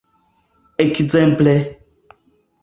ekzemple